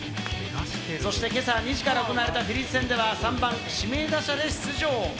そして今朝２時から行われたフィリーズ戦では３番・指名打者で出場。